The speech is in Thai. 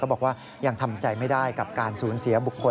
บอกว่ายังทำใจไม่ได้กับการสูญเสียบุคคล